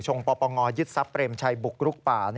ปปงยึดทรัพย์เปรมชัยบุกรุกป่า